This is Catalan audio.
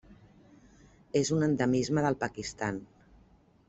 És un endemisme del Pakistan.